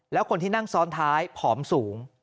แล้วคนที่นั่งซ้อนท้ายผอมสูง